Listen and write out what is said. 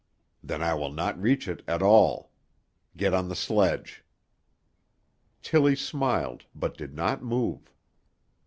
"Then I will not reach it at all. Get on the sledge." Tillie smiled but did not move.